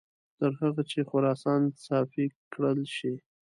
تر هغه چې خراسان صافي کړل شي.